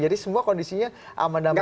jadi semua kondisinya aman aman saja